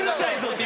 って。